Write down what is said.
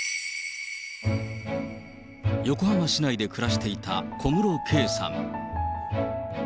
横浜市内で暮らしていた小室圭さん。